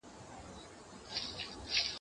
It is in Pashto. که زه مړ سوم ما به څوک په دعا یاد کي